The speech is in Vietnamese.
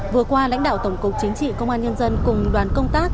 vừa qua lãnh đạo tổng cục chính trị công an nhân dân cùng đoàn công tác